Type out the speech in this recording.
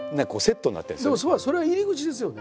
でもそれは入り口ですよね。